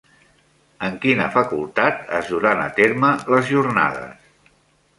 En quina facultat es duran a terme les jornades?